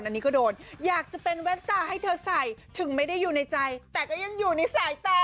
อันนี้ก็โดนอยากจะเป็นแว่นตาให้เธอใส่ถึงไม่ได้อยู่ในใจแต่ก็ยังอยู่ในสายตา